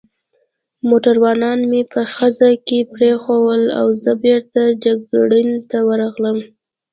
موټروانان مې په خزه کې پرېښوول او زه بېرته جګړن ته ورغلم.